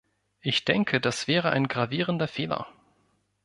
Ich denke, das wäre ein gravierender Fehler.